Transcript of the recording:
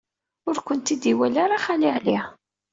Ur ken-id-iwala ara Xali Ɛli.